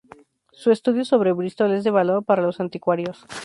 Su estudio sobre Brístol es de valor para los anticuarios.